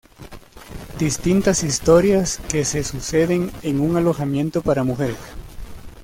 Distintas historias que se suceden en un alojamiento para mujeres.